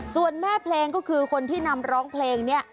ส่วนแม่เพลงก็คือคนที่นำร้องเพลงเนี่ย